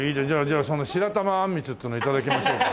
じゃあその白玉あんみつっていうのを頂きましょうか。